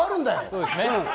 そうですね。